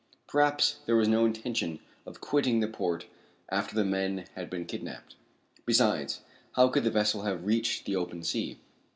Perhaps there was no intention of quitting the port after the men had been kidnapped. Besides, how could the vessel have reached the open sea?